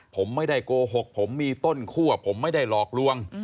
ผมไม่ได้โกหกผมมีต้นคั่วผมไม่ได้หลอกลวง